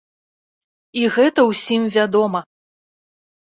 І гэта ўсім вядома.